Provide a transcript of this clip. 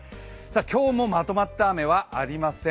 今日もまとまった雨はありません。